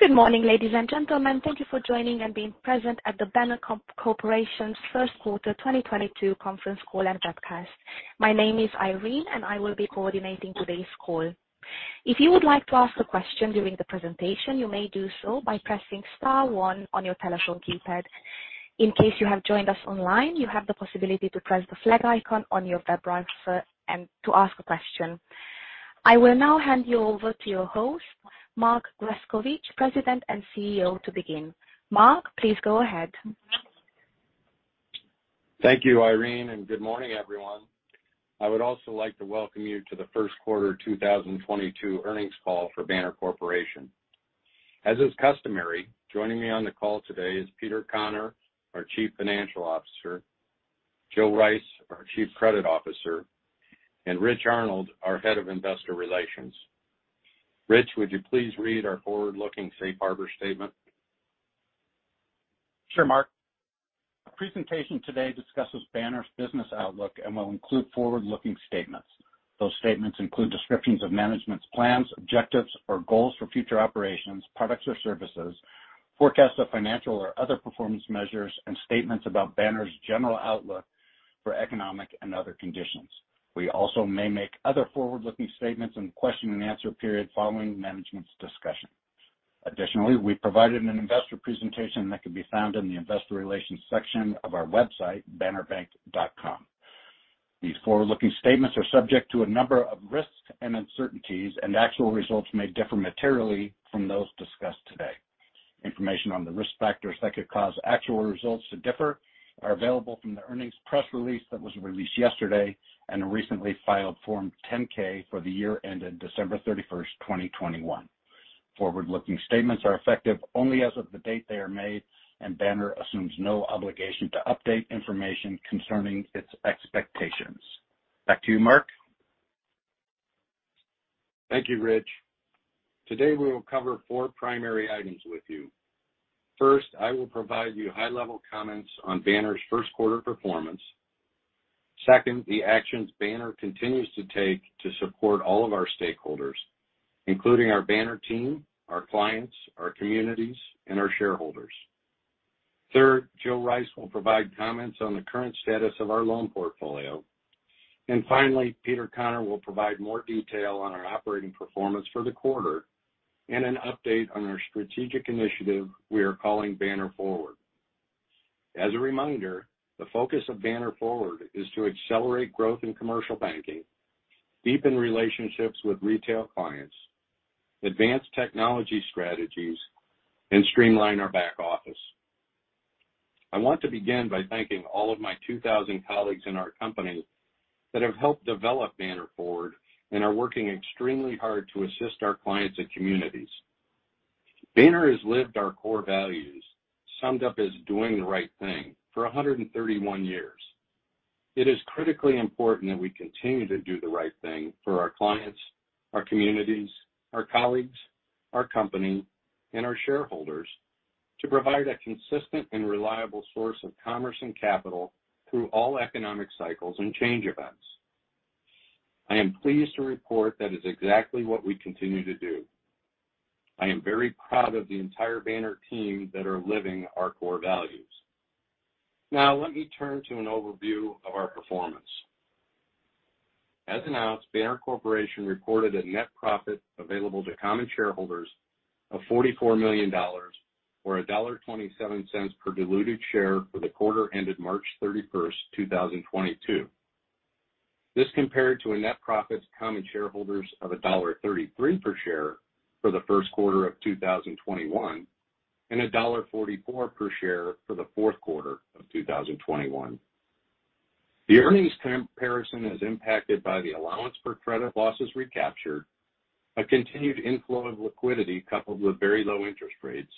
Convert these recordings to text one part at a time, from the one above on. Good morning, ladies and gentlemen. Thank you for joining and being present at the Banner Corporation's first quarter 2022 conference call and webcast. My name is Irene, and I will be coordinating today's call. If you would like to ask a question during the presentation, you may do so by pressing star one on your telephone keypad. In case you have joined us online, you have the possibility to press the flag icon on your web browser and to ask a question. I will now hand you over to your host, Mark Grescovich, President and CEO, to begin. Mark, please go ahead. Thank you, Irene, and good morning, everyone. I would also like to welcome you to the first quarter 2022 earnings call for Banner Corporation. As is customary, joining me on the call today is Peter Conner, our Chief Financial Officer, Jill Rice, our Chief Credit Officer, and Rich Arnold, our Head of Investor Relations. Rich, would you please read our forward-looking safe harbor statement? Sure, Mark. Our presentation today discusses Banner's business outlook and will include forward-looking statements. Those statements include descriptions of management's plans, objectives, or goals for future operations, products or services, forecasts of financial or other performance measures, and statements about Banner's general outlook for economic and other conditions. We also may make other forward-looking statements in the question and answer period following management's discussion. Additionally, we provided an investor presentation that can be found in the investor relations section of our website, bannerbank.com. These forward-looking statements are subject to a number of risks and uncertainties, and actual results may differ materially from those discussed today. Information on the risk factors that could cause actual results to differ are available from the earnings press release that was released yesterday and a recently filed Form 10-K for the year ended December 31st, 2021. Forward-looking statements are effective only as of the date they are made, and Banner assumes no obligation to update information concerning its expectations. Back to you, Mark. Thank you, Rich. Today, we will cover four primary items with you. First, I will provide you high-level comments on Banner's first quarter performance. Second, the actions Banner continues to take to support all of our stakeholders, including our Banner team, our clients, our communities, and our shareholders. Third, Jill Rice will provide comments on the current status of our loan portfolio. Finally, Peter Conner will provide more detail on our operating performance for the quarter and an update on our strategic initiative we are calling Banner Forward. As a reminder, the focus of Banner Forward is to accelerate growth in commercial banking, deepen relationships with retail clients, advance technology strategies, and streamline our back office. I want to begin by thanking all of my 2,000 colleagues in our company that have helped develop Banner Forward and are working extremely hard to assist our clients and communities. Banner has lived our core values, summed up as doing the right thing, for 131 years. It is critically important that we continue to do the right thing for our clients, our communities, our colleagues, our company, and our shareholders to provide a consistent and reliable source of commerce and capital through all economic cycles and change events. I am pleased to report that is exactly what we continue to do. I am very proud of the entire Banner team that are living our core values. Now, let me turn to an overview of our performance. As announced, Banner Corporation reported a net profit available to common shareholders of $44 million or $1.27 per diluted share for the quarter ended March 31st, 2022. This compared to a net profit to common shareholders of $1.33 per share for the first quarter of 2021, and $1.44 per share for the fourth quarter of 2021. The earnings comparison is impacted by the allowance for credit losses recaptured, a continued inflow of liquidity coupled with very low interest rates,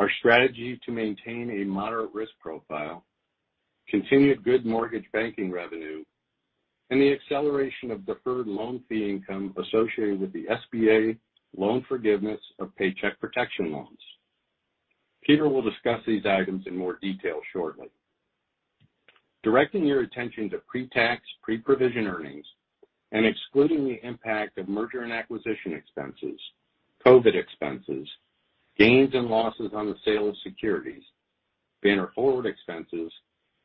our strategy to maintain a moderate risk profile, continued good mortgage banking revenue, and the acceleration of deferred loan fee income associated with the SBA loan forgiveness of Paycheck Protection loans. Peter will discuss these items in more detail shortly. Directing your attention to pre-tax, pre-provision earnings and excluding the impact of merger and acquisition expenses, COVID expenses, gains and losses on the sale of securities, Banner Forward expenses,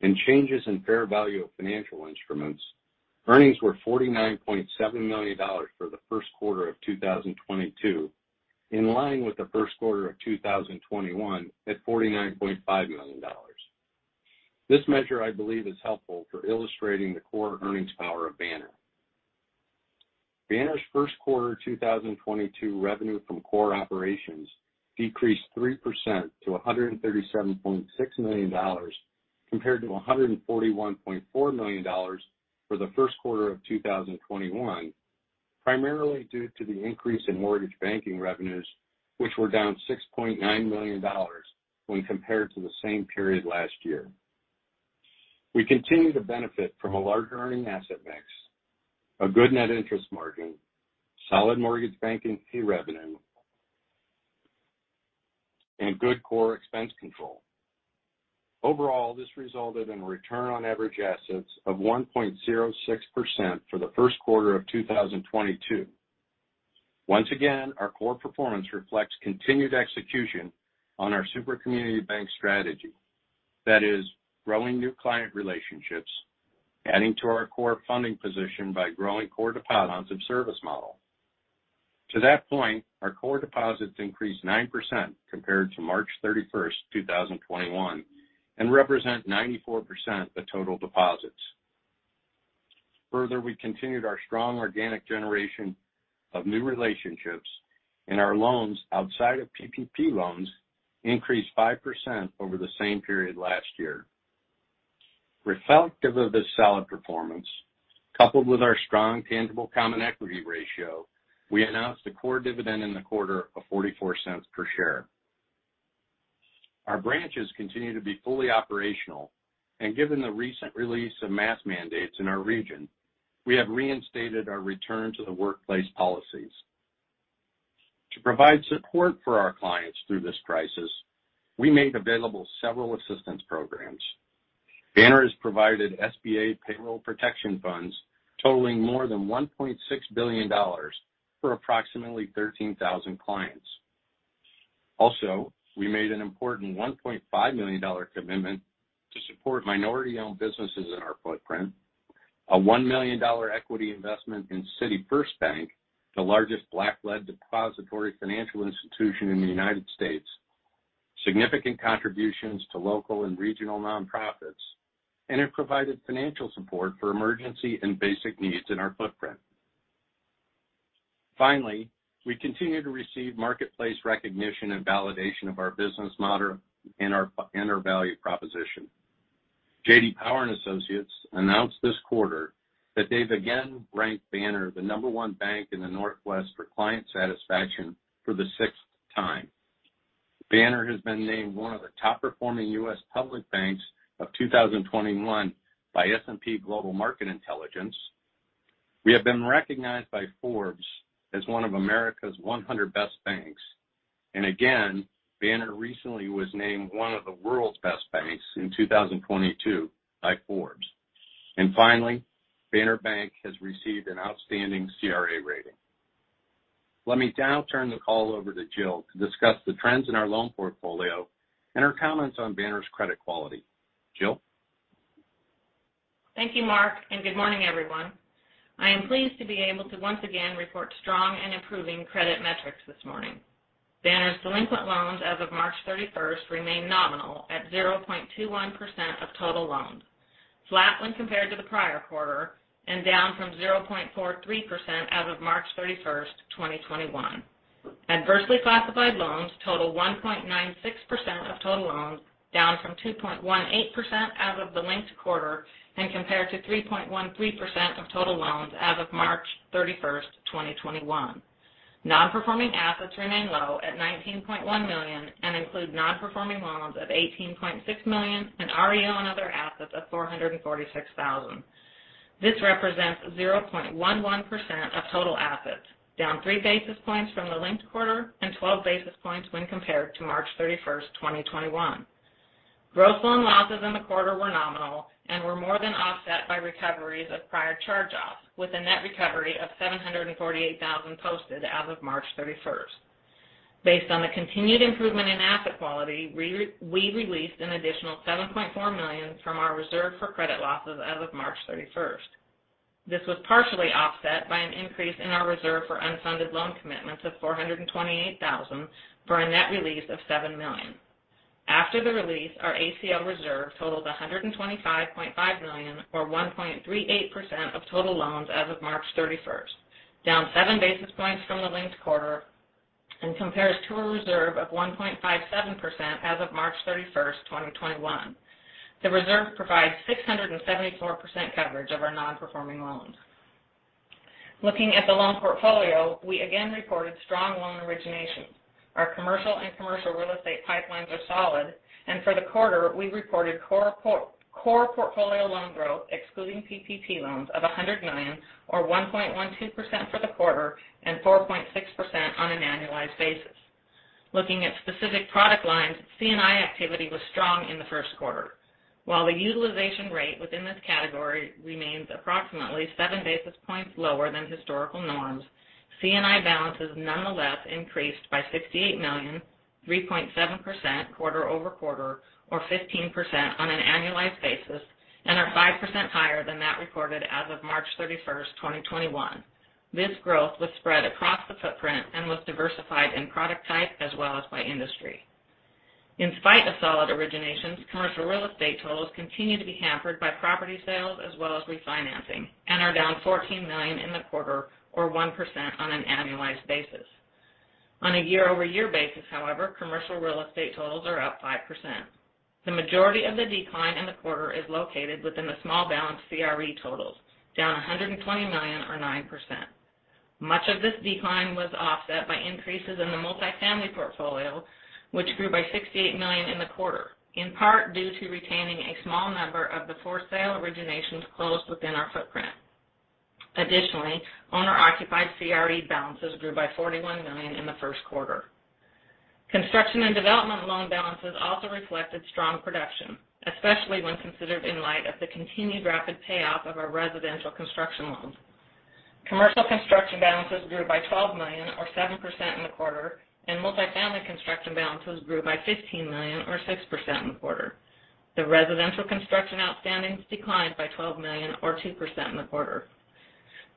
and changes in fair value of financial instruments, earnings were $49.7 million for the first quarter of 2022, in line with the first quarter of 2021 at $49.5 million. This measure, I believe, is helpful for illustrating the core earnings power of Banner. Banner's first quarter 2022 revenue from core operations decreased 3% to $137.6 million, compared to $141.4 million for the first quarter of 2021, primarily due to the increase in mortgage banking revenues, which were down $6.9 million when compared to the same period last year. We continue to benefit from a large earning asset mix, a good net interest margin, solid mortgage banking fee revenue, and good core expense control. Overall, this resulted in a return on average assets of 1.06% for the first quarter of 2022. Once again, our core performance reflects continued execution on our super community bank strategy. That is, growing new client relationships, adding to our core funding position by growing core deposits on sub-service model. To that point, our core deposits increased 9% compared to March 31st, 2021, and represent 94% of total deposits. Further, we continued our strong organic generation of new relationships and our loans outside of PPP loans increased 5% over the same period last year. Reflective of this solid performance, coupled with our strong tangible common equity ratio, we announced a core dividend in the quarter of $0.44 per share. Our branches continue to be fully operational, and given the recent release of mask mandates in our region, we have reinstated our return to the workplace policies. To provide support for our clients through this crisis, we made available several assistance programs. Banner has provided SBA payroll protection funds totaling more than $1.6 billion for approximately 13,000 clients. Also, we made an important $1.5 million commitment to support minority-owned businesses in our footprint, a $1 million equity investment in City First Bank, the largest Black-led depository financial institution in the United States, significant contributions to local and regional nonprofits, and have provided financial support for emergency and basic needs in our footprint. Finally, we continue to receive marketplace recognition and validation of our business model and our value proposition. J.D. Power announced this quarter that they've again ranked Banner the number 1 bank in the Northwest for client satisfaction for the sixth time. Banner has been named one of the top performing U.S. public banks of 2021 by S&P Global Market Intelligence. We have been recognized by Forbes as one of America's 100 best banks. Again, Banner recently was named one of the world's best banks in 2022 by Forbes. Finally, Banner Bank has received an outstanding CRA rating. Let me now turn the call over to Jill to discuss the trends in our loan portfolio and her comments on Banner's credit quality. Jill? Thank you, Mark, and good morning, everyone. I am pleased to be able to once again report strong and improving credit metrics this morning. Banner's delinquent loans as of March 31st remain nominal at 0.21% of total loans, flat when compared to the prior quarter and down from 0.43% as of March 31st, 2021. Adversely classified loans total 1.96% of total loans, down from 2.18% as of the linked quarter and compared to 3.13% of total loans as of March 31st, 2021. Non-performing assets remain low at $19.1 million and include non-performing loans of $18.6 million and REO and other assets of $446,000. This represents 0.11% of total assets, down 3 basis points from the linked quarter and 12 basis points when compared to March 31st, 2021. Gross loan losses in the quarter were nominal and were more than offset by recoveries of prior charge-offs, with a net recovery of $748,000 posted as of March 31st. Based on the continued improvement in asset quality, we released an additional $7.4 million from our reserve for credit losses as of March 31st. This was partially offset by an increase in our reserve for unfunded loan commitments of $428,000 for a net release of $7 million. After the release, our ACL reserve totaled $125.5 million, or 1.38% of total loans as of March 31st, down 7 basis points from the linked quarter and compares to a reserve of 1.57% as of March 31st, 2021. The reserve provides 674% coverage of our non-performing loans. Looking at the loan portfolio, we again reported strong loan originations. Our commercial and commercial real estate pipelines are solid. For the quarter, we reported core portfolio loan growth, excluding PPP loans, of $100 million or 1.12% for the quarter and 4.6% on an annualized basis. Looking at specific product lines, C&I activity was strong in the first quarter. While the utilization rate within this category remains approximately 7 basis points lower than historical norms, C&I balances nonetheless increased by $68 million, 3.7% quarter-over-quarter or 15% on an annualized basis and are 5% higher than that recorded as of March 31st, 2021. This growth was spread across the footprint and was diversified in product type as well as by industry. In spite of solid originations, commercial real estate totals continue to be hampered by property sales as well as refinancing and are down $14 million in the quarter or 1% on an annualized basis. On a year-over-year basis, however, commercial real estate totals are up 5%. The majority of the decline in the quarter is located within the small balance CRE totals, down $120 million or 9%. Much of this decline was offset by increases in the multifamily portfolio, which grew by $68 million in the quarter, in part due to retaining a small number of the for-sale originations closed within our footprint. Additionally, owner-occupied CRE balances grew by $41 million in the first quarter. Construction and development loan balances also reflected strong production, especially when considered in light of the continued rapid payoff of our residential construction loans. Commercial construction balances grew by $12 million or 7% in the quarter, and multifamily construction balances grew by $15 million or 6% in the quarter. The residential construction outstandings declined by $12 million or 2% in the quarter.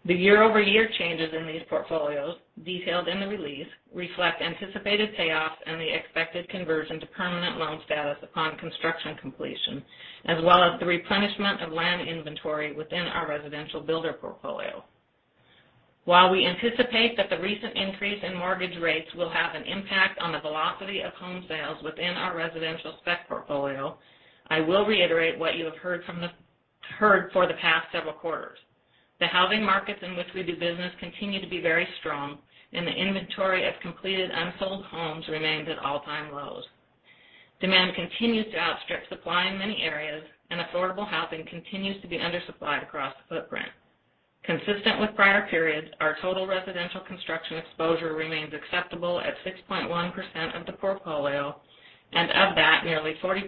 The year-over-year changes in these portfolios, detailed in the release, reflect anticipated payoffs and the expected conversion to permanent loan status upon construction completion, as well as the replenishment of land inventory within our residential builder portfolio. While we anticipate that the recent increase in mortgage rates will have an impact on the velocity of home sales within our residential spec portfolio, I will reiterate what you have heard for the past several quarters. The housing markets in which we do business continue to be very strong, and the inventory of completed unsold homes remains at all-time lows. Demand continues to outstrip supply in many areas, and affordable housing continues to be undersupplied across the footprint. Consistent with prior periods, our total residential construction exposure remains acceptable at 6.1% of the portfolio, and of that, nearly 40%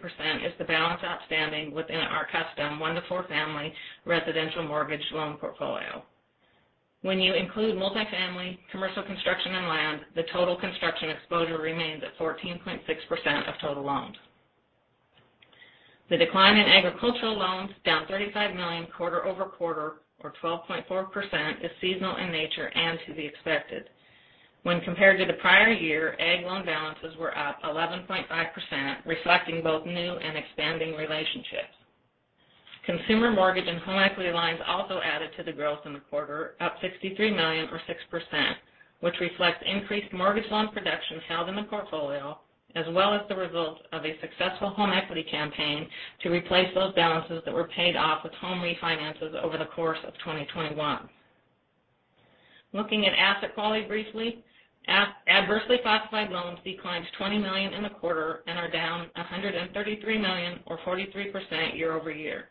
is the balance outstanding within our custom one-four family residential mortgage loan portfolio. When you include multifamily, commercial construction, and land, the total construction exposure remains at 14.6% of total loans. The decline in agricultural loans, down $35 million quarter-over-quarter or 12.4%, is seasonal in nature and to be expected. When compared to the prior year, ag loan balances were up 11.5%, reflecting both new and expanding relationships. Consumer mortgage and home equity lines also added to the growth in the quarter, up $63 million or 6%, which reflects increased mortgage loan production held in the portfolio, as well as the result of a successful home equity campaign to replace those balances that were paid off with home refinances over the course of 2021. Looking at asset quality briefly, adversely classified loans declined $20 million in the quarter and are down $133 million or 43% year-over-year.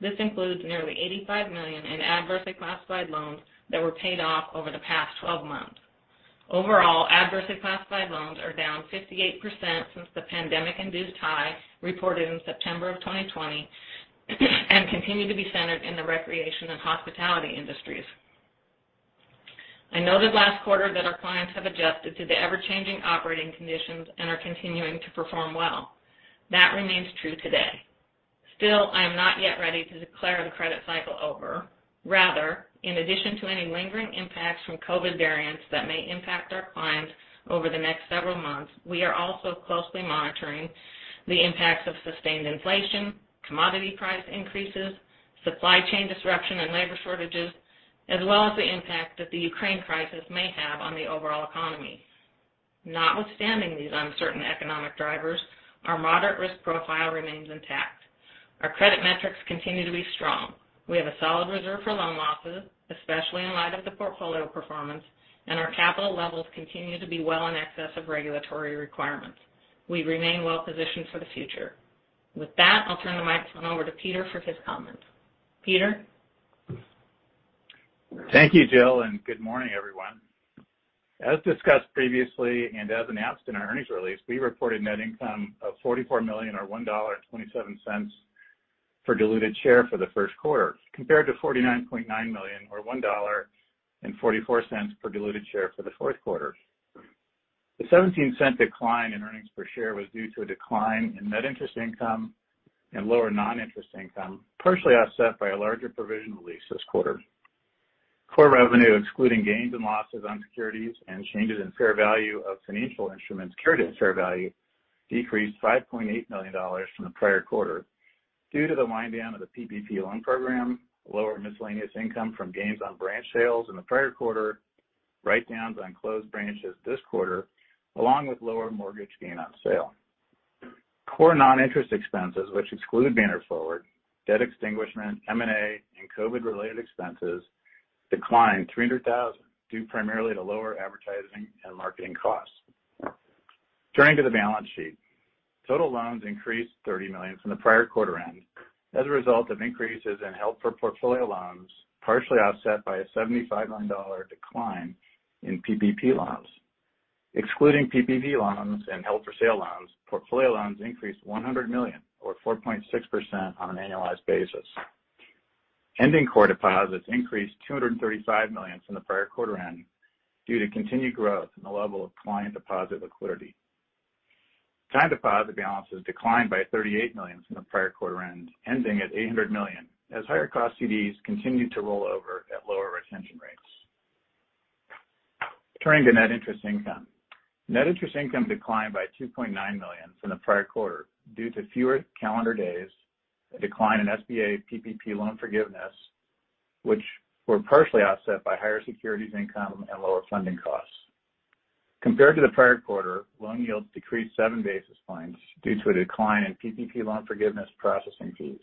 This includes nearly $85 million in adversely classified loans that were paid off over the past twelve months. Overall, adversely classified loans are down 58% since the pandemic-induced high reported in September 2020 and continue to be centered in the recreation and hospitality industries. I noted last quarter that our clients have adjusted to the ever-changing operating conditions and are continuing to perform well. That remains true today. Still, I am not yet ready to declare the credit cycle over. Rather, in addition to any lingering impacts from COVID variants that may impact our clients over the next several months, we are also closely monitoring the impacts of sustained inflation, commodity price increases, supply chain disruption and labor shortages, as well as the impact that the Ukraine crisis may have on the overall economy. Notwithstanding these uncertain economic drivers, our moderate risk profile remains intact. Our credit metrics continue to be strong. We have a solid reserve for loan losses, especially in light of the portfolio performance, and our capital levels continue to be well in excess of regulatory requirements. We remain well positioned for the future. With that, I'll turn the microphone over to Peter for his comments. Peter? Thank you, Jill, and good morning, everyone. As discussed previously and as announced in our earnings release, we reported net income of $44 million or $1.27 per diluted share for the first quarter, compared to $49.9 million or $1.44 per diluted share for the fourth quarter. The $0.17 decline in earnings per share was due to a decline in net interest income and lower non-interest income, partially offset by a larger provision release this quarter. Core revenue excluding gains and losses on securities and changes in fair value of financial instruments carried at fair value decreased $5.8 million from the prior quarter due to the wind down of the PPP loan program, lower miscellaneous income from gains on branch sales in the prior quarter, write-downs on closed branches this quarter, along with lower mortgage gain on sale. Core non-interest expenses, which exclude Banner Forward, debt extinguishment, M&A, and COVID-related expenses, declined $300,000, due primarily to lower advertising and marketing costs. Turning to the balance sheet. Total loans increased $30 million from the prior quarter end as a result of increases in held-for-portfolio loans, partially offset by a $75 million decline in PPP loans. Excluding PPP loans and held-for-sale loans, portfolio loans increased $100 million or 4.6% on an annualized basis. Ending core deposits increased $235 million from the prior quarter ending due to continued growth in the level of client deposit liquidity. Time deposit balances declined by $38 million from the prior quarter end, ending at $800 million as higher cost CDs continued to roll over at lower retention rates. Turning to net interest income. Net interest income declined by $2.9 million from the prior quarter due to fewer calendar days, a decline in SBA PPP loan forgiveness, which were partially offset by higher securities income and lower funding costs. Compared to the prior quarter, loan yields decreased 7 basis points due to a decline in PPP loan forgiveness processing fees.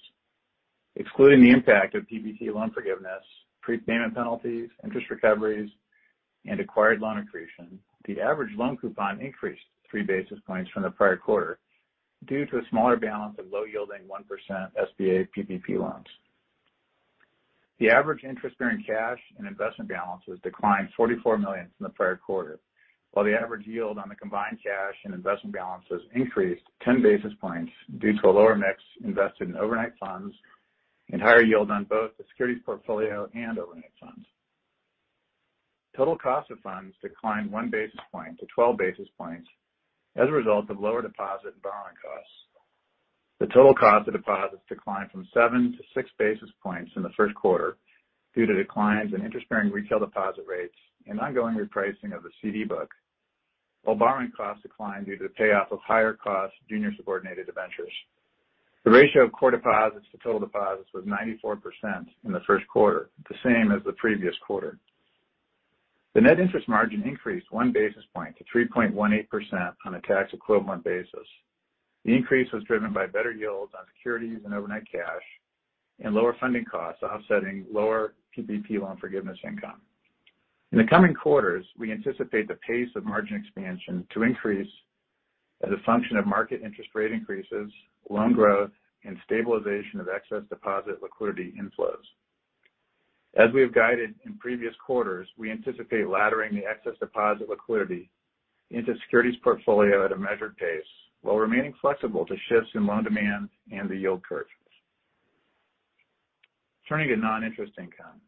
Excluding the impact of PPP loan forgiveness, prepayment penalties, interest recoveries and acquired loan accretion, the average loan coupon increased 3 basis points from the prior quarter due to a smaller balance of low-yielding 1% SBA PPP loans. The average interest-bearing cash and investment balances declined $44 million from the prior quarter, while the average yield on the combined cash and investment balances increased 10 basis points due to a lower mix invested in overnight funds and higher yield on both the securities portfolio and overnight funds. Total cost of funds declined 1 basis point to 12 basis points as a result of lower deposit and borrowing costs. The total cost of deposits declined from 7 to 6 basis points in the first quarter due to declines in interest-bearing retail deposit rates and ongoing repricing of the CD book, while borrowing costs declined due to the payoff of higher cost junior subordinated debentures. The ratio of core deposits to total deposits was 94% in the first quarter, the same as the previous quarter. The net interest margin increased 1 basis point to 3.18% on a tax equivalent basis. The increase was driven by better yields on securities and overnight cash and lower funding costs offsetting lower PPP loan forgiveness income. In the coming quarters, we anticipate the pace of margin expansion to increase as a function of market interest rate increases, loan growth and stabilization of excess deposit liquidity inflows. As we have guided in previous quarters, we anticipate laddering the excess deposit liquidity into securities portfolio at a measured pace while remaining flexible to shifts in loan demand and the yield curve. Turning to non-interest income.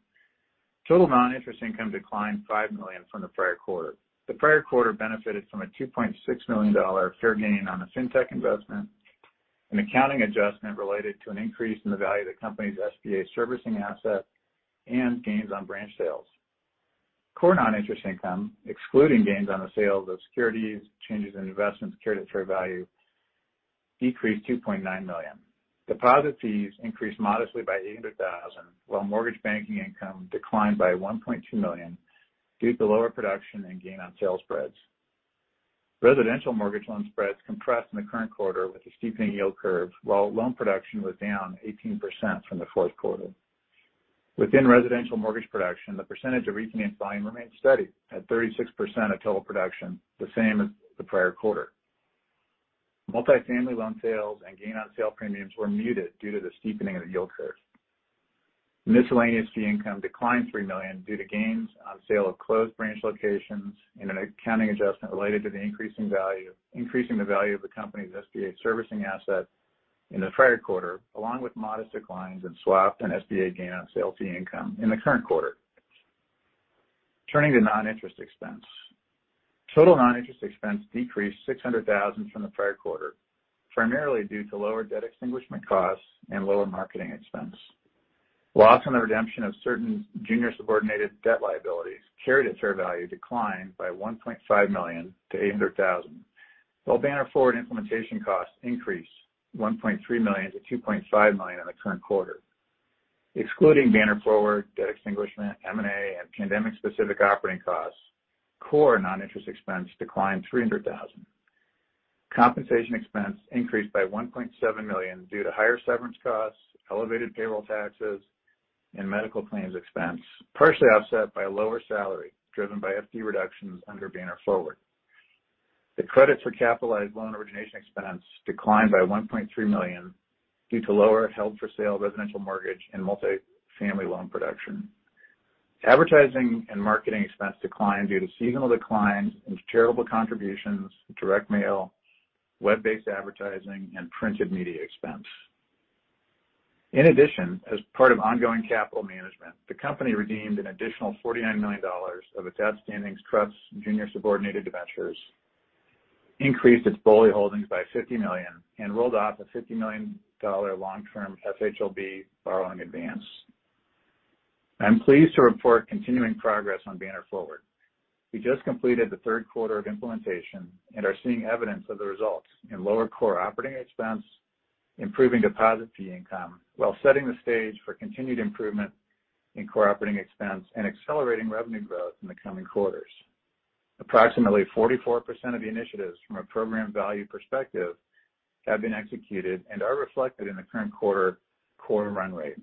Total non-interest income declined $5 million from the prior quarter. The prior quarter benefited from a $2.6 million fair gain on a FinTech investment, an accounting adjustment related to an increase in the value of the company's SBA servicing asset and gains on branch sales. Core non-interest income, excluding gains on the sales of securities, changes in investment security fair value, decreased $2.9 million. Deposit fees increased modestly by $800,000, while mortgage banking income declined by $1.2 million due to lower production and gain-on-sale spreads. Residential mortgage loan spreads compressed in the current quarter with the steepening yield curve, while loan production was down 18% from the fourth quarter. Within residential mortgage production, the percentage of refinancing remained steady at 36% of total production, the same as the prior quarter. Multifamily loan sales and gain on sale premiums were muted due to the steepening of the yield curve. Miscellaneous fee income declined $3 million due to gains on sale of closed branch locations and an accounting adjustment related to the increasing value of the company's SBA servicing asset in the prior quarter, along with modest declines in swap and SBA gain on sale fee income in the current quarter. Turning to non-interest expense. Total non-interest expense decreased $600 thousand from the prior quarter, primarily due to lower debt extinguishment costs and lower marketing expense. Loss on the redemption of certain junior subordinated debt liabilities carried at fair value declined by $1.5 million to $800 thousand, while Banner Forward implementation costs increased $1.3 million to $2.5 million in the current quarter. Excluding Banner Forward, debt extinguishment, M&A, and pandemic-specific operating costs, core non-interest expense declined $300 thousand. Compensation expense increased by $1.7 million due to higher severance costs, elevated payroll taxes and medical claims expense, partially offset by lower salary driven by FP reductions under Banner Forward. The credit for capitalized loan origination expense declined by $1.3 million due to lower held-for-sale residential mortgage and multifamily loan production. Advertising and marketing expense declined due to seasonal declines in charitable contributions, direct mail, web-based advertising, and printed media expense. In addition, as part of ongoing capital management, the company redeemed an additional $49 million of its outstanding trusts junior subordinated debentures, increased its BOLI holdings by $50 million and rolled off a $50 million long-term FHLB borrowing advance. I'm pleased to report continuing progress on Banner Forward. We just completed the third quarter of implementation and are seeing evidence of the results in lower core operating expense, improving deposit fee income while setting the stage for continued improvement in core operating expense and accelerating revenue growth in the coming quarters. Approximately 44% of the initiatives from a program value perspective have been executed and are reflected in the current quarter run rate,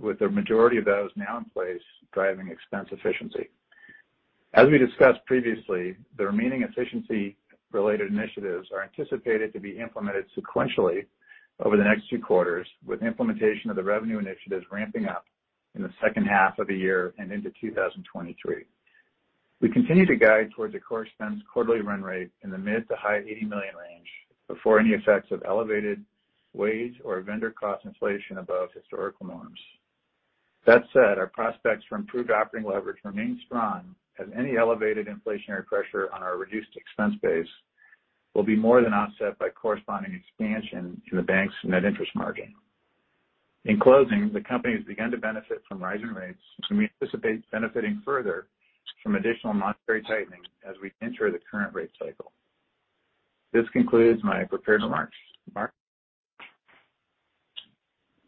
with the majority of those now in place driving expense efficiency. As we discussed previously, the remaining efficiency-related initiatives are anticipated to be implemented sequentially over the next two quarters, with implementation of the revenue initiatives ramping up in the second half of the year and into 2023. We continue to guide towards a core expense quarterly run rate in the mid- to high-$80 million range before any effects of elevated wage or vendor cost inflation above historical norms. That said, our prospects for improved operating leverage remain strong as any elevated inflationary pressure on our reduced expense base will be more than offset by corresponding expansion in the bank's net interest margin. In closing, the company has begun to benefit from rising rates, and we anticipate benefiting further from additional monetary tightening as we enter the current rate cycle. This concludes my prepared remarks. Mark?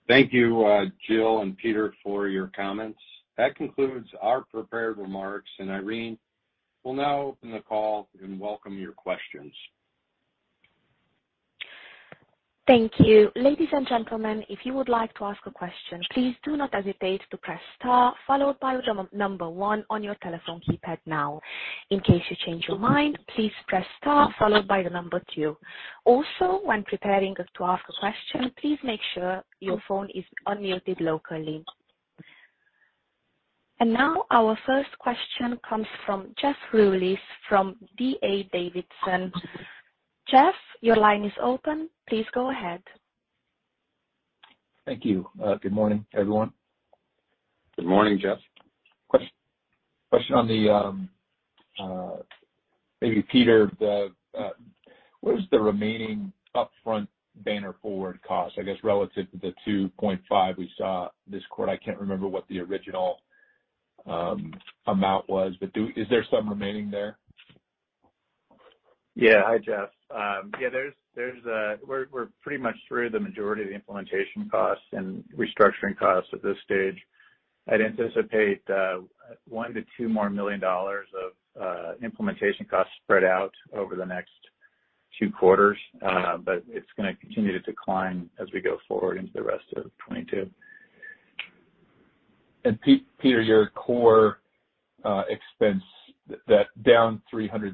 Thank you, Jill and Peter, for your comments. That concludes our prepared remarks. Irene, we'll now open the call and welcome your questions. Thank you. Ladies and gentlemen, if you would like to ask a question, please do not hesitate to press star followed by the number one on your telephone keypad now. In case you change your mind, please press star followed by the number two. Also, when preparing to ask a question, please make sure your phone is unmuted locally. Now our first question comes from Jeff Rulis from D.A. Davidson. Jeff, your line is open. Please go ahead. Thank you. Good morning, everyone. Good morning, Jeff. Question on the maybe Peter what is the remaining upfront Banner Forward cost I guess relative to the $2.5 we saw this quarter? I can't remember what the original amount was but is there some remaining there? Yeah. Hi, Jeff. Yeah, we're pretty much through the majority of the implementation costs and restructuring costs at this stage. I'd anticipate $1 million-$2 million of implementation costs spread out over the next two quarters. It's gonna continue to decline as we go forward into the rest of 2022. Peter, your core expense that down $300,000.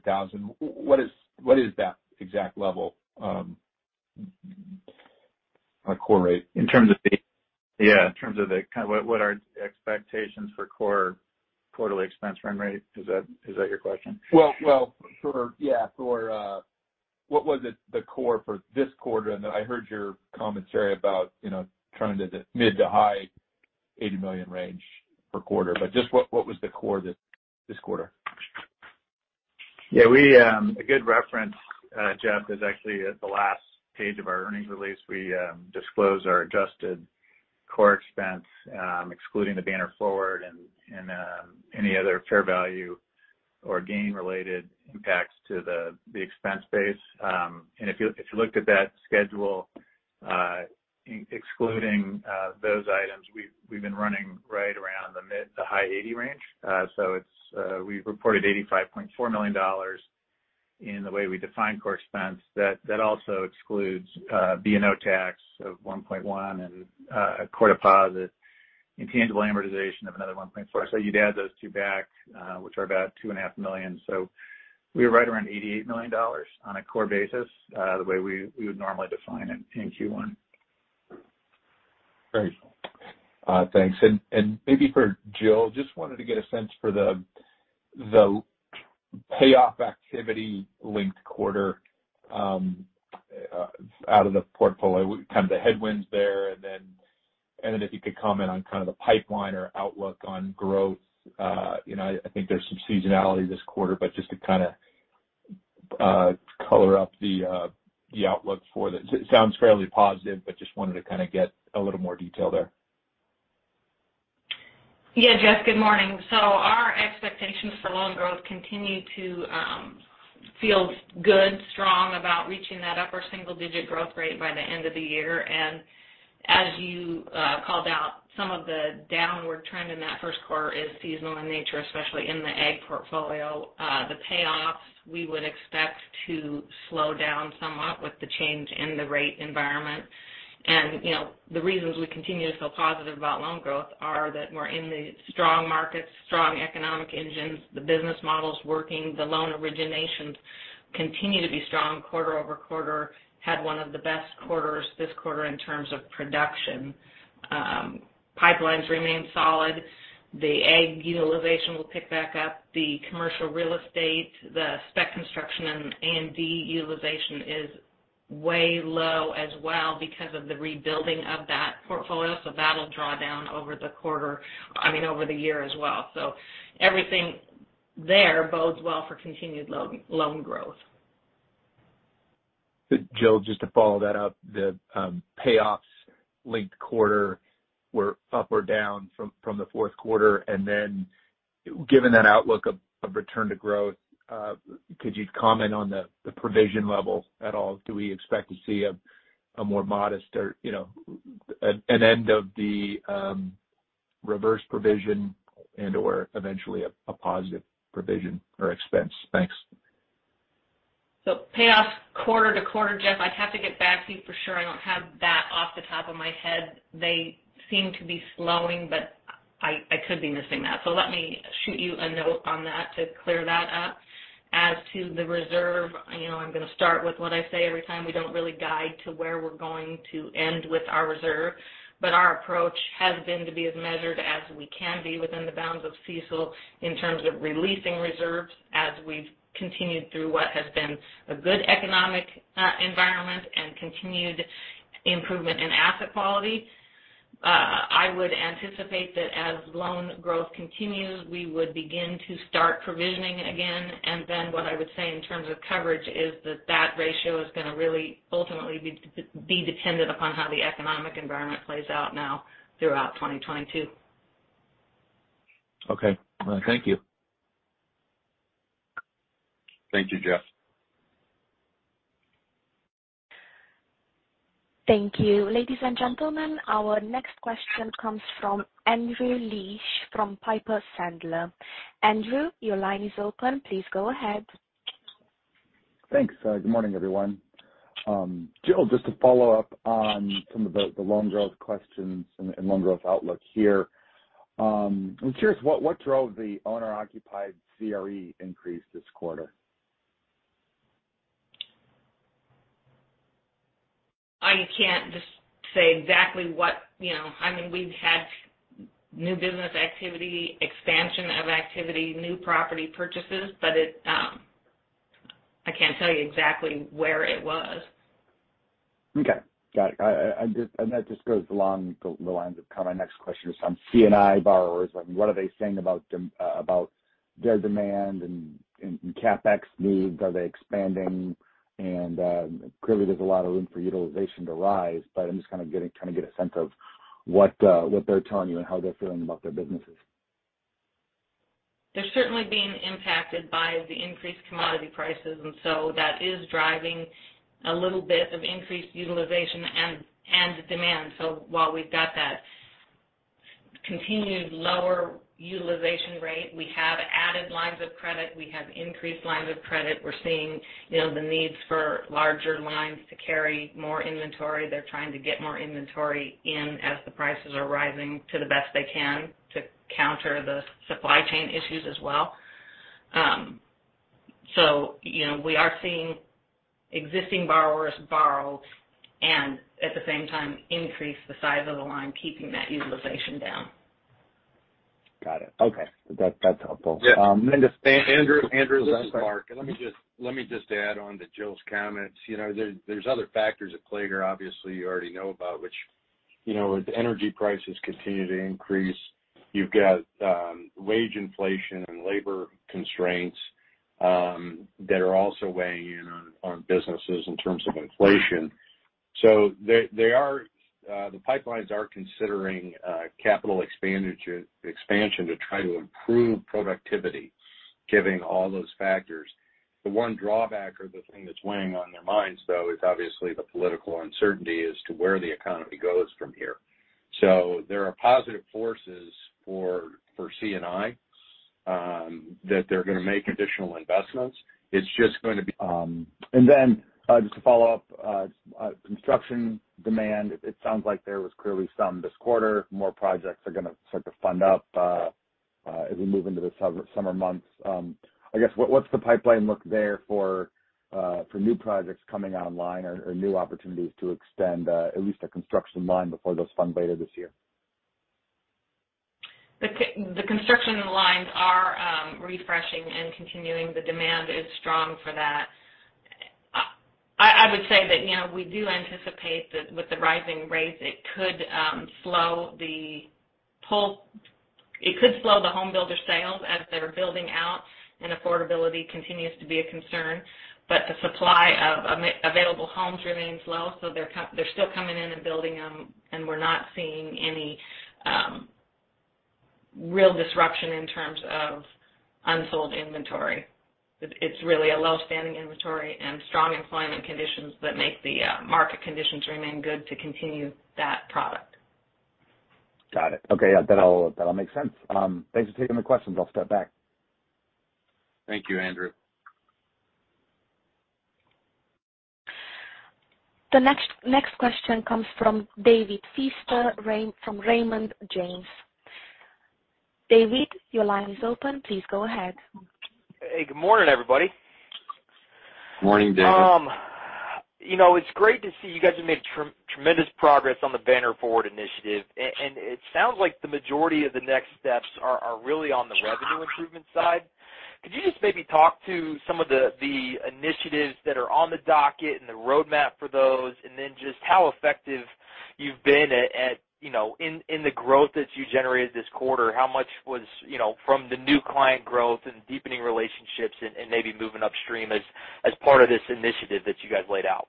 What is that exact level on core rate in terms of the- Yeah, in terms of the kind of what our expectations for core quarterly expense run rate? Is that your question? Well, yeah, what was the core for this quarter? I heard your commentary about, you know, turning to the mid- to high $80 million range per quarter. Just what was the core this quarter? Yeah. A good reference, Jeff, is actually at the last page of our earnings release. We disclose our adjusted core expense, excluding the Banner Forward and any other fair value or gain-related impacts to the expense base. If you looked at that schedule, excluding those items, we've been running right around the mid- to high-80 range. We've reported $85.4 million in the way we define core expense. That also excludes B&O tax of $1.1 and core deposit intangible amortization of another $1.4. You'd add those two back, which are about $2.5 million. We're right around $88 million on a core basis, the way we would normally define it in Q1. Great. Thanks. Maybe for Jill, just wanted to get a sense for the payoff activity linked quarter out of the portfolio, what kind of the headwinds there, and then if you could comment on kind of the pipeline or outlook on growth. You know, I think there's some seasonality this quarter, but just to kind of color up the outlook for that. It sounds fairly positive, but just wanted to kind of get a little more detail there. Yeah. Jeff, good morning. Our expectations for loan growth continue to feel good, strong about reaching that upper single-digit growth rate by the end of the year. As you called out, some of the downward trend in that first quarter is seasonal in nature, especially in the ag portfolio. The payoffs we would expect to slow down somewhat with the change in the rate environment. You know, the reasons we continue to feel positive about loan growth are that we're in the strong markets, strong economic engines, the business model's working. The loan originations continue to be strong quarter-over-quarter. Had one of the best quarters this quarter in terms of production. Pipelines remain solid. The ag utilization will pick back up. The commercial real estate, the spec construction and A&D utilization is way low as well because of the rebuilding of that portfolio. That'll draw down over the quarter, I mean, over the year as well. Everything there bodes well for continued loan growth. Jill, just to follow that up, the payoffs linked quarter were up or down from the fourth quarter. Then given that outlook of return to growth, could you comment on the provision level at all? Do we expect to see a more modest or an end of the reverse provision and/or eventually a positive provision or expense? Thanks. Payoffs quarter to quarter, Jeff, I'd have to get back to you for sure. I don't have that off the top of my head. They seem to be slowing, but I could be missing that. Let me shoot you a note on that to clear that up. As to the reserve, you know, I'm gonna start with what I say every time. We don't really guide to where we're going to end with our reserve, but our approach has been to be as measured as we can be within the bounds of CECL in terms of releasing reserves as we've continued through what has been a good economic environment and continued improvement in asset quality. I would anticipate that as loan growth continues, we would begin to start provisioning again. What I would say in terms of coverage is that that ratio is gonna really ultimately be dependent upon how the economic environment plays out now throughout 2022. Okay. Thank you. Thank you, Jeff. Thank you. Ladies and gentlemen, our next question comes from Andrew Liesch from Piper Sandler. Andrew, your line is open. Please go ahead. Thanks. Good morning, everyone. Jill, just to follow up on some of the loan growth questions and loan growth outlook here. I'm curious, what drove the owner-occupied CRE increase this quarter? I can't just say exactly what, you know. I mean, we've had new business activity, expansion of activity, new property purchases, but it, I can't tell you exactly where it was. Okay. Got it. That just goes along the lines of kinda my next question is on C&I borrowers. What are they saying about their demand and CapEx needs? Are they expanding? Clearly there's a lot of room for utilization to rise, but I'm just kinda trying to get a sense of what they're telling you and how they're feeling about their businesses. They're certainly being impacted by the increased commodity prices, and so that is driving a little bit of increased utilization and demand. While we've got that continued lower utilization rate, we have added lines of credit, we have increased lines of credit. We're seeing, you know, the needs for larger lines to carry more inventory. They're trying to get more inventory in as the prices are rising to the best they can to counter the supply chain issues as well. You know, we are seeing existing borrowers borrow and at the same time increase the size of the line, keeping that utilization down. Got it. Okay. That, that's helpful. Yeah. Just, Andrew, this is Mark. Let me just add on to Jill's comments. You know, there's other factors at play here obviously you already know about, which, you know, as energy prices continue to increase, you've got wage inflation and labor constraints that are also weighing in on businesses in terms of inflation. They are the pipelines are considering capital expansion to try to improve productivity, given all those factors. The one drawback or the thing that's weighing on their minds though is obviously the political uncertainty as to where the economy goes from here. There are positive forces for C&I that they're gonna make additional investments. It's just going to be. Just to follow up, construction demand, it sounds like there was clearly some this quarter. More projects are gonna start to fund up, as we move into the summer months. I guess, what's the pipeline look like there for new projects coming online or new opportunities to extend at least a construction line before those fund later this year? The construction lines are refreshing and continuing. The demand is strong for that. I would say that, you know, we do anticipate that with the rising rates, it could slow the home builder sales as they're building out, and affordability continues to be a concern. But the supply of available homes remains low, so they're still coming in and building them, and we're not seeing any real disruption in terms of unsold inventory. It's really a low standing inventory and strong employment conditions that make the market conditions remain good to continue that product. Got it. Okay. Yeah, that all makes sense. Thanks for taking my questions. I'll step back. Thank you, Andrew. The next question comes from David Feaster from Raymond James. David, your line is open. Please go ahead. Hey, good morning, everybody. Morning, David. You know, it's great to see you guys have made tremendous progress on the Banner Forward initiative. It sounds like the majority of the next steps are really on the revenue improvement side. Could you just maybe talk to some of the initiatives that are on the docket and the roadmap for those, and then just how effective you've been at, you know, in the growth that you generated this quarter? How much was, you know, from the new client growth and deepening relationships and maybe moving upstream as part of this initiative that you guys laid out?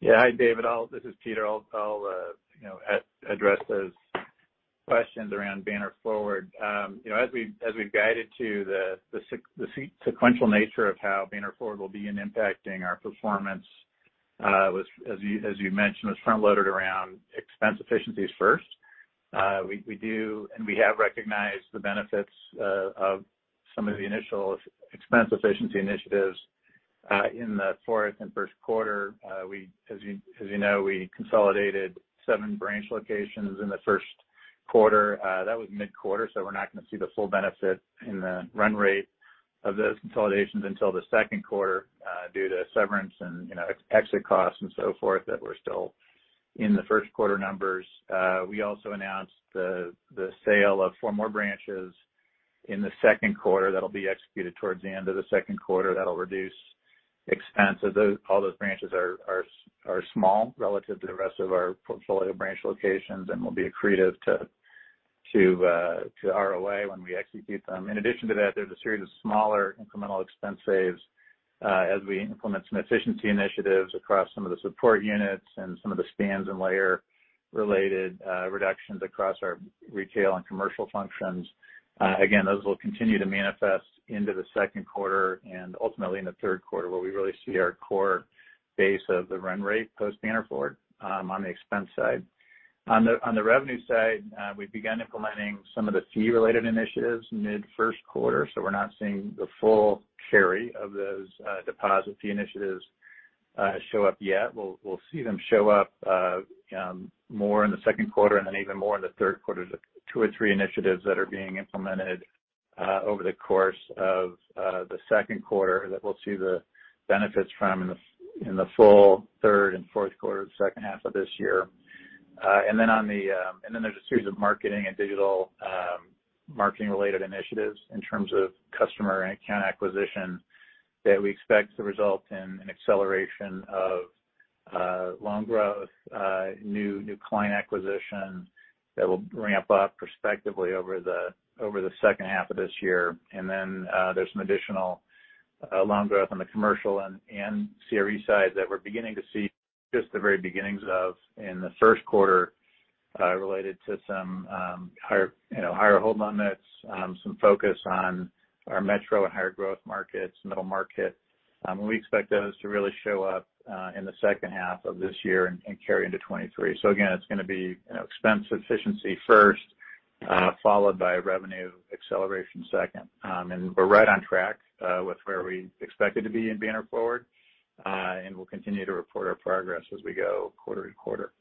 Yeah. Hi, David. This is Peter. I'll you know, address those questions around Banner Forward. You know, as we've guided to the sequential nature of how Banner Forward will be impacting our performance, as you mentioned, was front-loaded around expense efficiencies first. We do and we have recognized the benefits of some of the initial expense efficiency initiatives in the fourth and first quarter. As you know, we consolidated seven branch locations in the first quarter. That was mid-quarter, so we're not gonna see the full benefit in the run rate of those consolidations until the second quarter due to severance and, you know, exit costs and so forth that were still in the first quarter numbers. We also announced the sale of four more branches in the second quarter that'll be executed towards the end of the second quarter. That'll reduce expense. All those branches are small relative to the rest of our portfolio branch locations and will be accretive to ROA when we execute them. In addition to that, there's a series of smaller incremental expense saves as we implement some efficiency initiatives across some of the support units and some of the spans and layer-related reductions across our retail and commercial functions. Again, those will continue to manifest into the second quarter and ultimately in the third quarter, where we really see our core base of the run rate post-Banner Forward on the expense side. On the revenue side, we began implementing some of the fee-related initiatives mid-first quarter, so we're not seeing the full carry of those deposit fee initiatives show up yet. We'll see them show up more in the second quarter and then even more in the third quarter. The two or three initiatives that are being implemented over the course of the second quarter that we'll see the benefits from in the full third and fourth quarter, the second half of this year. There's a series of marketing and digital marketing-related initiatives in terms of customer and account acquisition that we expect to result in an acceleration of loan growth, new client acquisition that will ramp up prospectively over the second half of this year. There's some additional loan growth on the commercial and CRE sides that we're beginning to see just the very beginnings of in the first quarter, related to some higher, you know, higher home limits, some focus on our metro and higher growth markets, middle market. We expect those to really show up in the second half of this year and carry into 2023. It's gonna be, you know, expense efficiency first, followed by revenue acceleration second. We're right on track with where we expected to be in Banner Forward. We'll continue to report our progress as we go quarter to quarter.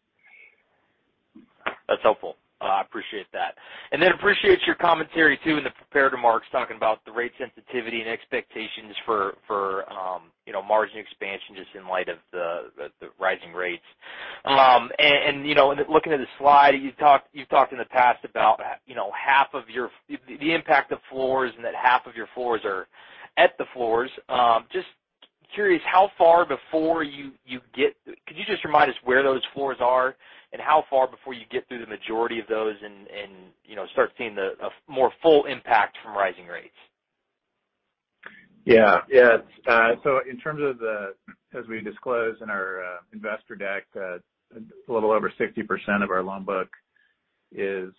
That's helpful. I appreciate that. I appreciate your commentary too, in the prepared remarks, talking about the rate sensitivity and expectations for, you know, margin expansion just in light of the rising rates. You know, looking at the slide, you've talked in the past about the impact of floors, and that half of your floors are at the floors. Just curious, could you just remind us where those floors are and how far before you get through the majority of those and, you know, start seeing a more full impact from rising rates? In terms of the, as we disclose in our investor deck, a little over 60% of our loan book is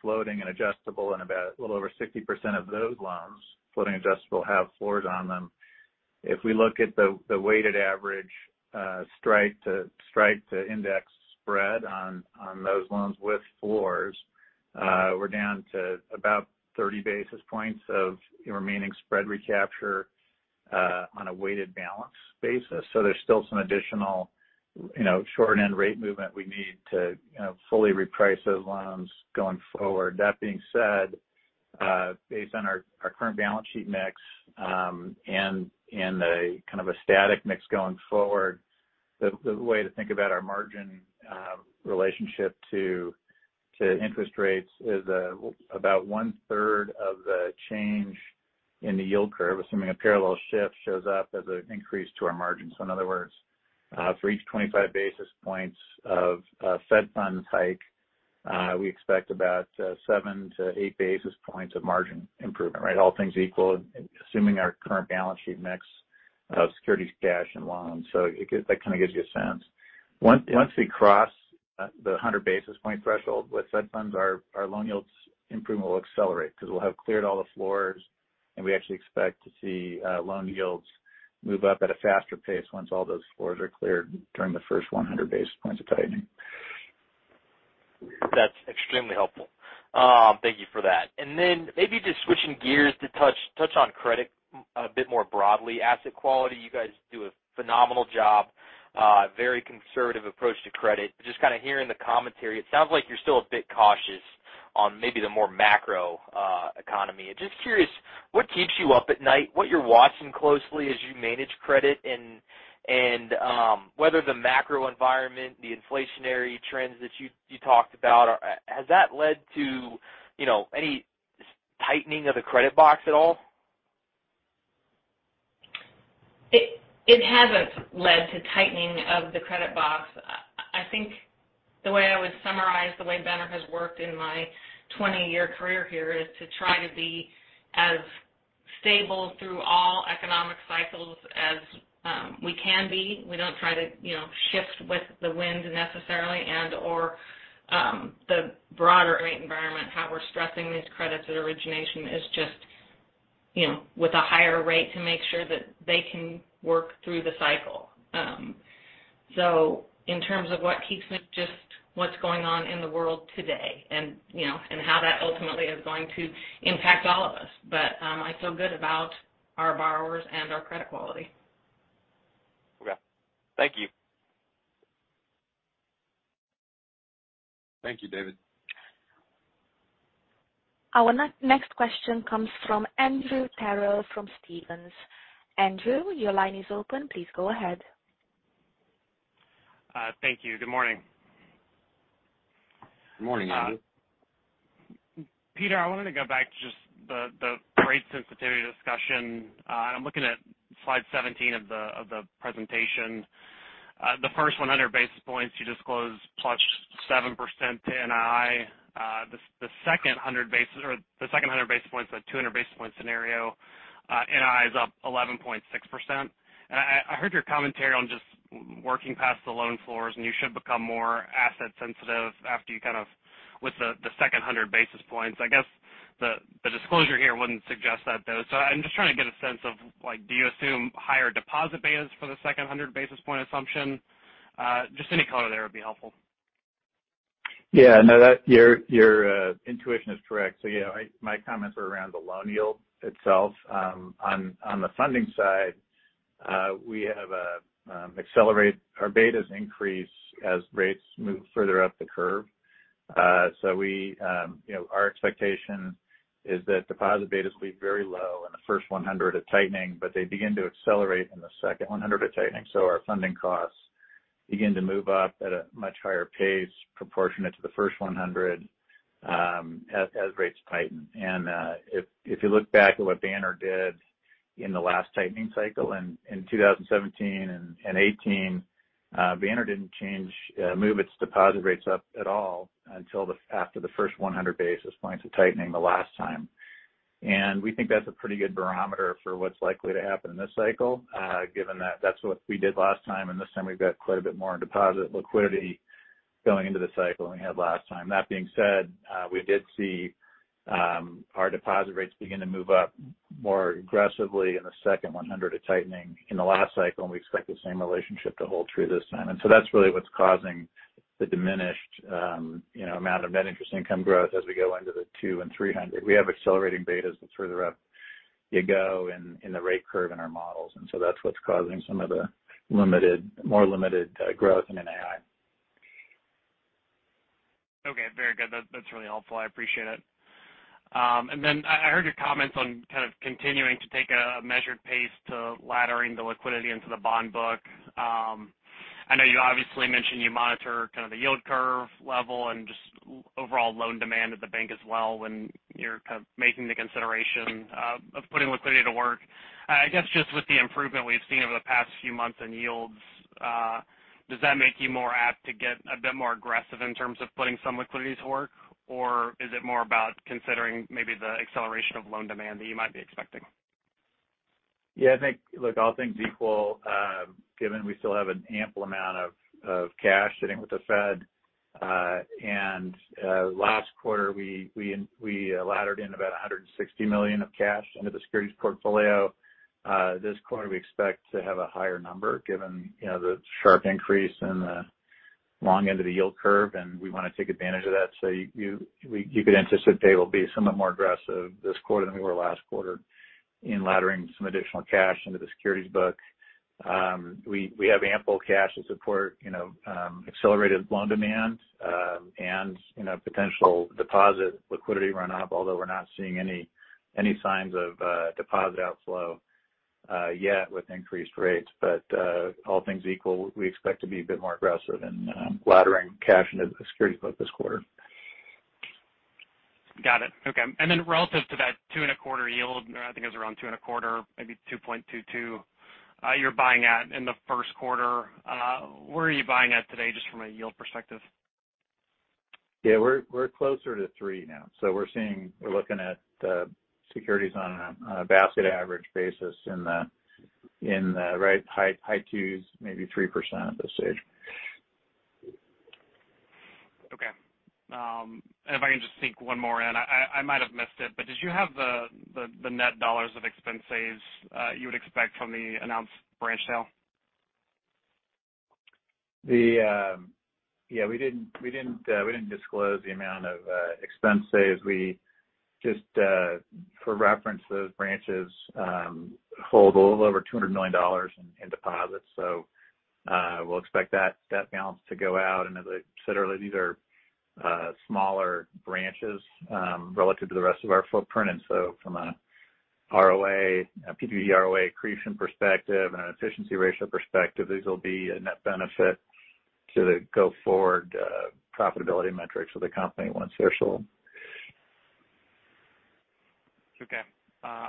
floating and adjustable, and about a little over 60% of those loans, floating adjustable, have floors on them. If we look at the weighted average strike to index spread on those loans with floors, we're down to about 30 basis points of remaining spread recapture on a weighted balance basis. There's still some additional, you know, short-end rate movement we need to, you know, fully reprice those loans going forward. That being said, based on our current balance sheet mix, and a kind of a static mix going forward, the way to think about our margin relationship to interest rates is about 1/3 of the change in the yield curve, assuming a parallel shift shows up as an increase to our margin. In other words, for each 25 basis points of Fed funds hike, we expect about 7-8 basis points of margin improvement, right? All things equal, assuming our current balance sheet mix of securities, cash, and loans. That kind of gives you a sense. Once we cross the 100 basis points threshold with Fed funds, our loan yields improvement will accelerate because we'll have cleared all the floors, and we actually expect to see loan yields move up at a faster pace once all those floors are cleared during the first 100 basis points of tightening. That's extremely helpful. Thank you for that. Maybe just switching gears to touch on credit a bit more broadly. Asset quality, you guys do a phenomenal job. Very conservative approach to credit. Just kind of hearing the commentary, it sounds like you're still a bit cautious on maybe the more macro economy. Just curious what keeps you up at night, what you're watching closely as you manage credit and whether the macro environment, the inflationary trends that you talked about has that led to, you know, any tightening of the credit box at all? It hasn't led to tightening of the credit box. I think the way I would summarize the way Banner has worked in my 20-year career here is to try to be as stable through all economic cycles as we can be. We don't try to, you know, shift with the wind necessarily and/or the broader rate environment. How we're stressing these credits at origination is just, you know, with a higher rate to make sure that they can work through the cycle. So in terms of what keeps me, just what's going on in the world today and, you know, and how that ultimately is going to impact all of us. I feel good about our borrowers and our credit quality. Okay. Thank you. Thank you, David. Our next question comes from Andrew Terrell from Stephens. Andrew, your line is open. Please go ahead. Thank you. Good morning. Good morning, Andrew. Peter, I wanted to go back to just the rate sensitivity discussion. I'm looking at slide 17 of the presentation. The first 100 basis points you disclose +7% NII. The second 100 basis points, the 200 basis point scenario, NII is up 11.6%. I heard your commentary on just working past the loan floors, and you should become more asset sensitive after you kind of with the second 100 basis points. I guess the disclosure here wouldn't suggest that, though. I'm just trying to get a sense of like, do you assume higher deposit base for the second 100 basis point assumption? Just any color there would be helpful. Yeah. No, your intuition is correct. Yeah, my comments were around the loan yield itself. On the funding side, we have accelerated our betas increase as rates move further up the curve. You know, our expectation is that deposit betas will be very low in the first 100 of tightening, but they begin to accelerate in the second 100 of tightening. Our funding costs begin to move up at a much higher pace proportionate to the first 100 as rates tighten. If you look back at what Banner did in the last tightening cycle in 2017 and 2018, Banner didn't move its deposit rates up at all until after the first 100 basis points of tightening the last time. We think that's a pretty good barometer for what's likely to happen in this cycle, given that that's what we did last time. This time, we've got quite a bit more in deposit liquidity going into the cycle than we had last time. That being said, we did see our deposit rates begin to move up more aggressively in the second 100 of tightening in the last cycle, and we expect the same relationship to hold true this time. That's really what's causing the diminished, you know, amount of net interest income growth as we go into the 200 and 300. We have accelerating betas the further up you go in the rate curve in our models. That's what's causing some of the more limited growth in NII. Okay. Very good. That's really helpful. I appreciate it. I heard your comments on kind of continuing to take a measured pace to laddering the liquidity into the bond book. I know you obviously mentioned you monitor kind of the yield curve level and just overall loan demand at the bank as well when you're kind of making the consideration of putting liquidity to work. I guess just with the improvement we've seen over the past few months in yields, does that make you more apt to get a bit more aggressive in terms of putting some liquidity to work, or is it more about considering maybe the acceleration of loan demand that you might be expecting? Yeah. I think, look, all things equal, given we still have an ample amount of cash sitting with the Fed. Last quarter, we laddered in about $160 million of cash into the securities portfolio. This quarter, we expect to have a higher number given, you know, the sharp increase in the long end of the yield curve, and we wanna take advantage of that. You could anticipate we'll be somewhat more aggressive this quarter than we were last quarter in laddering some additional cash into the securities book. We have ample cash to support, you know, accelerated loan demand, and, you know, potential deposit liquidity runoff, although we're not seeing any signs of deposit outflow yet with increased rates. All things equal, we expect to be a bit more aggressive in laddering cash into the securities book this quarter. Got it. Okay. Relative to that 2.25% yield, or I think it was around 2.25%, maybe 2.22%, you're buying at in the first quarter, where are you buying at today just from a yield perspective? Yeah. We're closer to 3% now. We're looking at securities on a basket average basis in the right high 2s, maybe 3% at this stage. Okay. If I can just sneak one more in. I might have missed it, but did you have the net dollars of expense savings you would expect from the announced branch sale? We didn't disclose the amount of expense savings. We just, for reference, those branches hold a little over $200 million in deposits. We'll expect that balance to go out. As I said earlier, these are smaller branches relative to the rest of our footprint. From a ROA, PPE ROA accretion perspective and an efficiency ratio perspective, these will be a net benefit to the go-forward profitability metrics of the company once they're sold. Okay.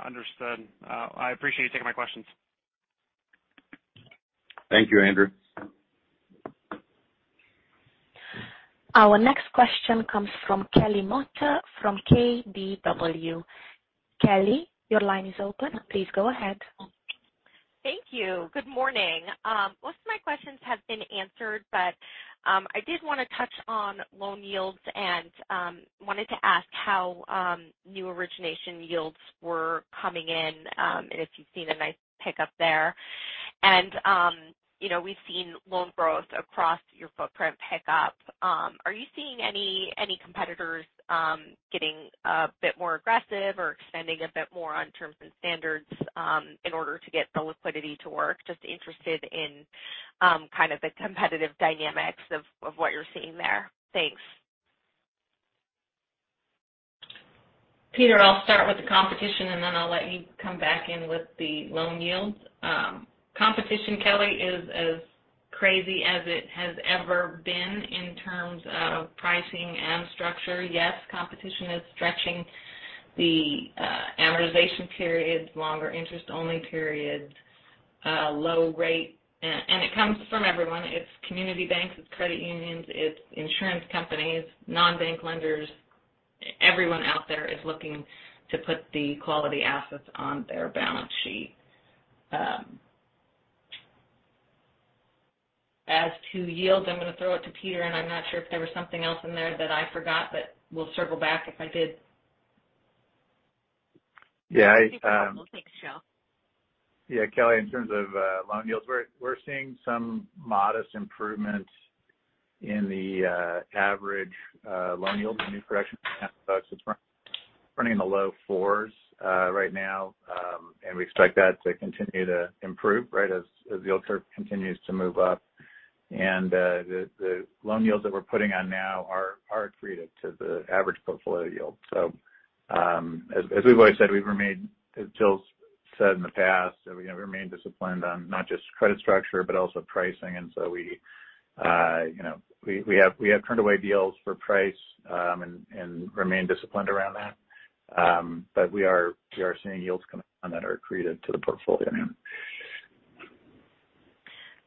Understood. I appreciate you taking my questions. Thank you, Andrew. Our next question comes from Kelly Motta from KBW. Kelly, your line is open. Please go ahead. Thank you. Good morning. Most of my questions have been answered, but I did wanna touch on loan yields and wanted to ask how new origination yields were coming in and if you've seen a nice pickup there. You know, we've seen loan growth across your footprint pick up. Are you seeing any competitors getting a bit more aggressive or extending a bit more on terms and standards in order to get the liquidity to work? Just interested in kind of the competitive dynamics of what you're seeing there. Thanks. Peter, I'll start with the competition, and then I'll let you come back in with the loan yields. Competition, Kelly, is as crazy as it has ever been in terms of pricing and structure. Yes, competition is stretching the amortization periods, longer interest only periods, low rate. It comes from everyone. It's community banks. It's credit unions. It's insurance companies, non-bank lenders. Everyone out there is looking to put the quality assets on their balance sheet. As to yields, I'm gonna throw it to Peter, and I'm not sure if there was something else in there that I forgot, but we'll circle back if I did. Yeah, I, Thanks, Jill. Yeah, Kelly, in terms of loan yields, we're seeing some modest improvements in the average loan yield. The new production running in the low fours right now. We expect that to continue to improve right as the yield curve continues to move up. The loan yields that we're putting on now are accretive to the average portfolio yield. As we've always said, we remain, as Jill's said in the past, that we remain disciplined on not just credit structure, but also pricing. You know, we have turned away deals for price and remain disciplined around that. We are seeing yields come on that are accretive to the portfolio now.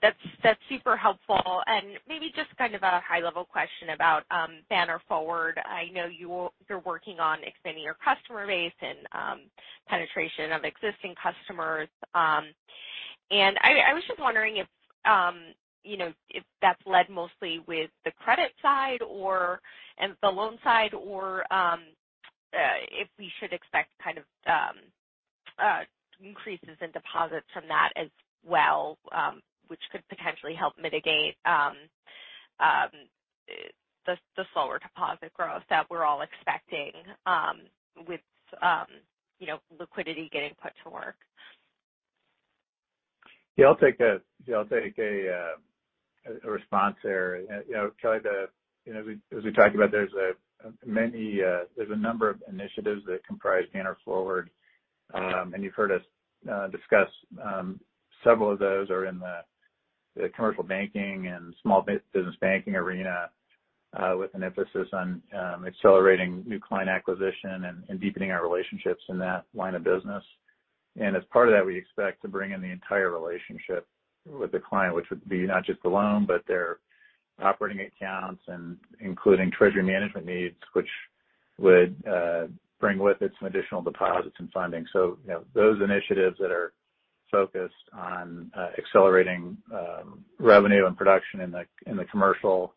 That's super helpful. Maybe just kind of a high level question about Banner Forward. I know you're working on expanding your customer base and penetration of existing customers. I was just wondering if you know if that's led mostly with the credit side or and the loan side or if we should expect kind of increases in deposits from that as well, which could potentially help mitigate the slower deposit growth that we're all expecting with you know liquidity getting put to work. Yeah, I'll take a response there. You know, Kelly, you know, as we talked about, there's many -- there's a number of initiatives that comprise Banner Forward. And you've heard us discuss several of those are in the commercial banking and small business banking arena, with an emphasis on accelerating new client acquisition and deepening our relationships in that line of business. As part of that, we expect to bring in the entire relationship with the client, which would be not just the loan, but their operating accounts and including treasury management needs, which would bring with it some additional deposits and funding. You know, those initiatives that are focused on accelerating revenue and production in the commercial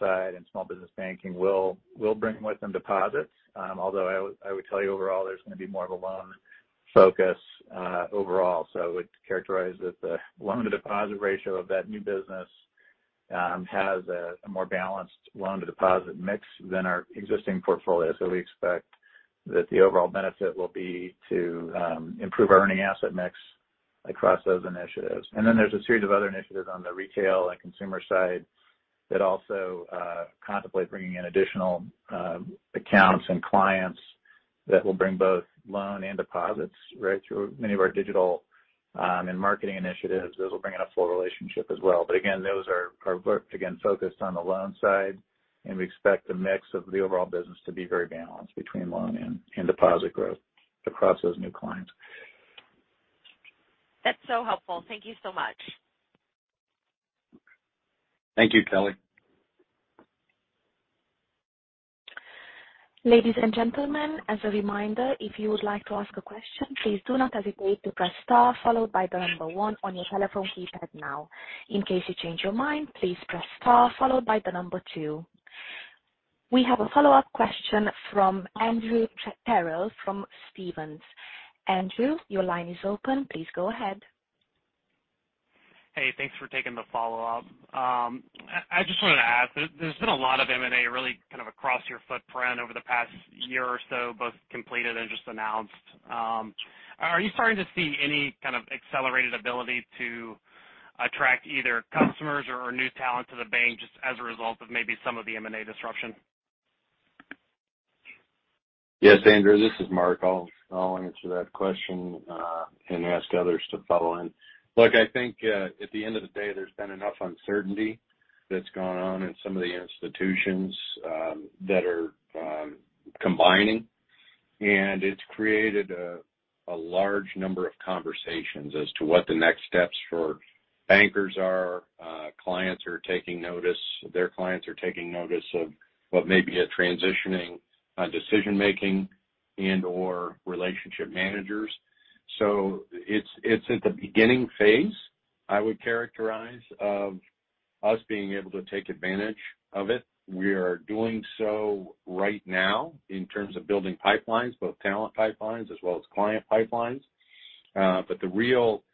side and small business banking will bring with them deposits. Although I would tell you overall, there's gonna be more of a loan focus overall. I would characterize that the loan to deposit ratio of that new business has a more balanced loan to deposit mix than our existing portfolio. We expect that the overall benefit will be to improve our earning asset mix across those initiatives. Then there's a series of other initiatives on the retail and consumer side that also contemplate bringing in additional accounts and clients that will bring both loan and deposits, right. Through many of our digital and marketing initiatives, those will bring in a full relationship as well. Again, those are again focused on the loan side, and we expect the mix of the overall business to be very balanced between loan and deposit growth across those new clients. That's so helpful. Thank you so much. Thank you, Kelly. Ladies and gentlemen, as a reminder, if you would like to ask a question, please do not hesitate to press star followed by one on your telephone keypad now. In case you change your mind, please press star followed by two. We have a follow-up question from Andrew Terrell from Stephens. Andrew, your line is open. Please go ahead. Hey, thanks for taking the follow-up. I just wanted to ask, there's been a lot of M&A really kind of across your footprint over the past year or so, both completed and just announced. Are you starting to see any kind of accelerated ability to attract either customers or new talent to the bank just as a result of maybe some of the M&A disruption? Yes, Andrew, this is Mark. I'll answer that question and ask others to follow in. Look, I think at the end of the day, there's been enough uncertainty that's gone on in some of the institutions that are combining. It's created a large number of conversations as to what the next steps for bankers are. Clients are taking notice. Their clients are taking notice of what may be a transitioning in decision-making and/or relationship managers. It's at the beginning phase, I would characterize, of us being able to take advantage of it. We are doing so right now in terms of building pipelines, both talent pipelines as well as client pipelines. The real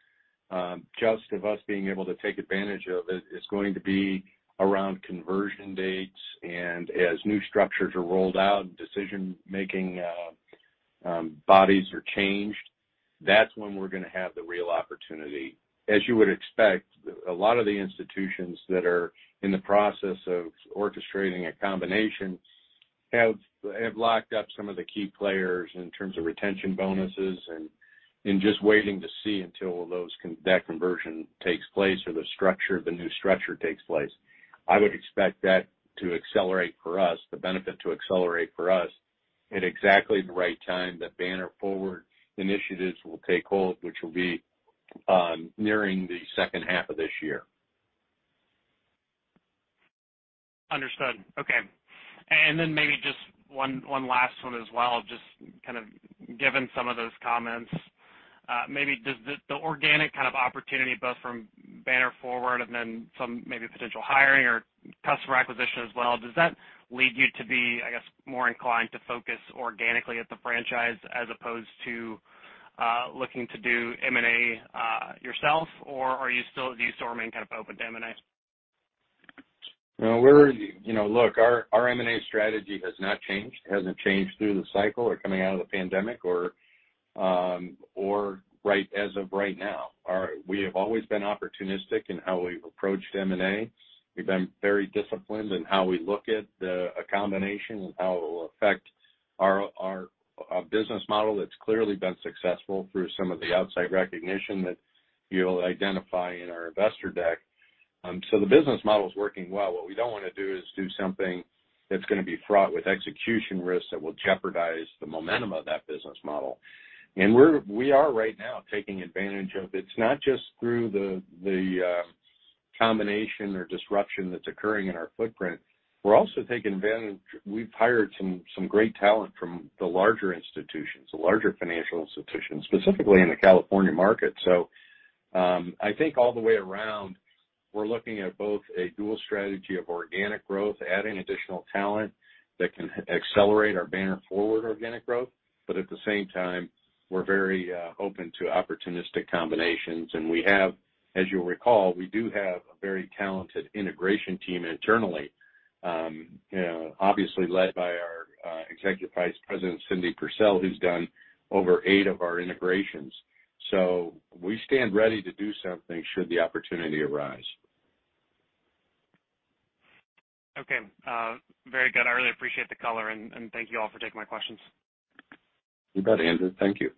test of us being able to take advantage of it is going to be around conversion dates and as new structures are rolled out and decision-making bodies are changed. That's when we're gonna have the real opportunity. As you would expect, a lot of the institutions that are in the process of orchestrating a combination have locked up some of the key players in terms of retention bonuses and just waiting to see until that conversion takes place or the structure, the new structure takes place. I would expect that to accelerate for us, the benefit to accelerate for us at exactly the right time that Banner Forward initiatives will take hold, which will be nearing the second half of this year. Understood. Okay. Then maybe just one last one as well. Just kind of given some of those comments, maybe does the organic kind of opportunity, both from Banner Forward and then some maybe potential hiring or customer acquisition as well, does that lead you to be, I guess, more inclined to focus organically at the franchise as opposed to looking to do M&A yourself? Or are you still? Is the door remaining kind of open to M&A? No, we're, you know. Look, our M&A strategy has not changed. It hasn't changed through the cycle or coming out of the pandemic or right, as of right now. We have always been opportunistic in how we've approached M&A. We've been very disciplined in how we look at a combination and how it will affect our business model that's clearly been successful through some of the outside recognition that you'll identify in our investor deck. The business model is working well. What we don't wanna do is do something that's gonna be fraught with execution risks that will jeopardize the momentum of that business model. We are right now taking advantage of. It's not just through the combination or disruption that's occurring in our footprint. We're also taking advantage. We've hired some great talent from the larger institutions, the larger financial institutions, specifically in the California market. I think all the way around, we're looking at both a dual strategy of organic growth, adding additional talent that can accelerate our Banner Forward organic growth. At the same time, we're very open to opportunistic combinations. We have, as you'll recall, a very talented integration team internally, you know, obviously led by our Executive Vice President, Cynthia Purcell, who's done over eight of our integrations. We stand ready to do something should the opportunity arise. Okay. Very good. I really appreciate the color and thank you all for taking my questions. You bet, Andrew. Thank you.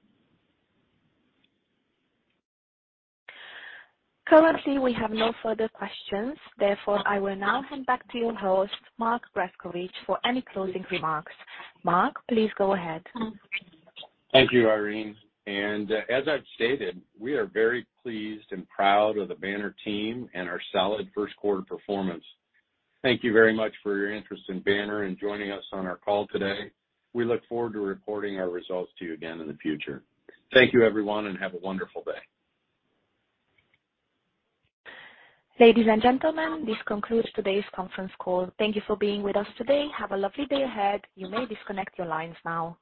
Currently, we have no further questions. Therefore, I will now hand back to your host, Mark Grescovich, for any closing remarks. Mark, please go ahead. Thank you, Irene. As I've stated, we are very pleased and proud of the Banner team and our solid first quarter performance. Thank you very much for your interest in Banner and joining us on our call today. We look forward to reporting our results to you again in the future. Thank you, everyone, and have a wonderful day. Ladies and gentlemen, this concludes today's conference call. Thank you for being with us today. Have a lovely day ahead. You may disconnect your lines now.